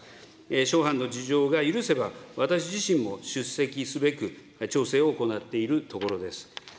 諸般の事情が許せば、私自身も出席すべく、調整を行っているところです。